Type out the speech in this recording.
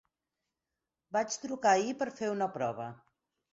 Vaig trucar ahir per fer una prova.